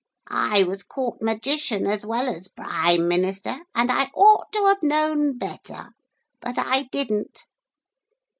I was Court Magician as well as Prime Minister, and I ought to have known better, but I didn't.